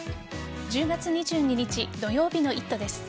１０月２２日土曜日の「イット！」です。